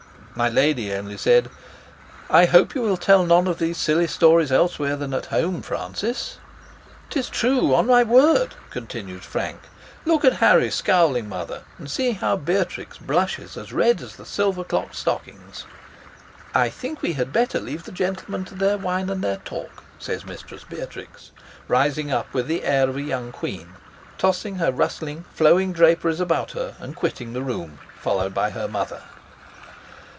My lady only said: "I hope you will tell none of these silly stories elsewhere than at home, Francis." "'Tis true, on my word," continues Frank: "look at Harry scowling, mother, and see how Beatrix blushes as red as the silver clocked stockings." "I think we had best leave the gentlemen to their wine and their talk," says Mistress Beatrix, rising up with the air of a young queen, tossing her rustling flowing draperies about her, and quitting the room, followed by her mother.